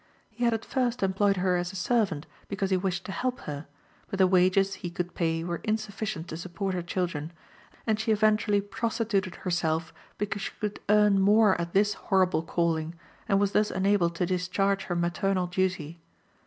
He had at first employed her as a servant because he wished to help her, but the wages he could pay were insufficient to support her children, and she eventually prostituted herself because she could earn more at this horrible calling, and was thus enabled to discharge her maternal duty.